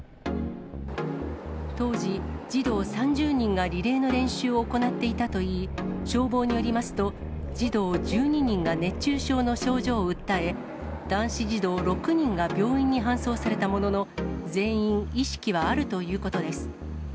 当時、児童３０人がリレーの練習を行っていたといい、消防によりますと、児童１２人が熱中症の症状を訴え、男子児童６人が病院に搬送されたものの、全員、意識はあるということです。